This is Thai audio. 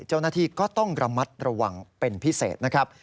เจ้าหน้าที่ก็ต้องระมัดระวังเป็นพิเศษนะครับ